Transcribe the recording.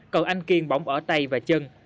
cậu anh kiên bỏng ở tay và chân